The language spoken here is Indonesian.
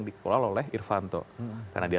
dikelola oleh irvanto karena dia